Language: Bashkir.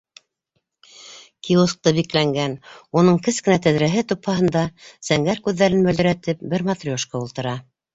Киоск та бикләнгән, уның кес кенә тәҙрәһе тупһаһында, зәңгәр күҙҙәрен мөлдөрәтеп, бер матрешка ултыра.